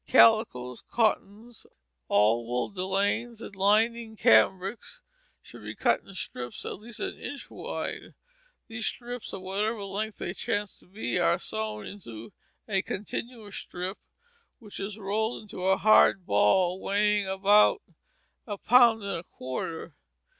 Calicoes, cottons, all wool delaines, and lining cambrics should be cut in strips at least an inch wide. These strips, of whatever length they chance to be, are sewn into one continuous strip, which is rolled into a hard ball weighing about a pound and a quarter.